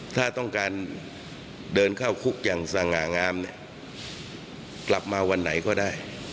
ถ้าต้องการเดินเข้าคุกอย่างสง่างามเนี่ยกลับมาวันไหนก็ได้